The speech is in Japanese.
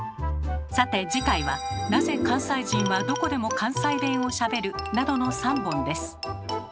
さて次回は「なぜ関西人はどこでも関西弁をしゃべる？」などの３本です。